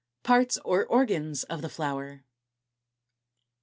PARTS OR ORGANS OF THE FLOWER.